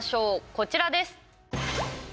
こちらです。